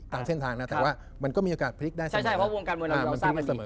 ตามเส้นทางนะแต่ว่ามันก็มีโอกาสพลิกได้เสมอ